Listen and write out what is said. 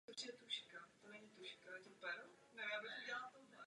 Mimoto napsal David také biografie známých skladatelů Beethovena a Schuberta.